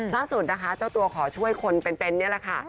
ล่าสุดนะคะเจ้าตัวขอช่วยคนเป็นนี่แหละค่ะ